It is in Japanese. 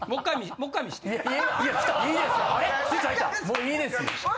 もういいですよ。